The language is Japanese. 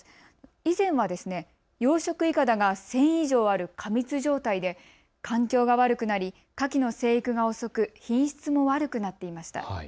以前は養殖いかだが１０００以上ある過密状態で環境が悪くなり、かきの成育が遅く、品質も悪くなっていました。